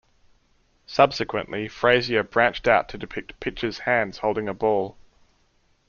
Subsequently Frazier branched out to depict pitchers hands holding a ball.